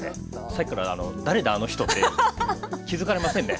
さっきから「誰だあの人」っていう気付かれませんね。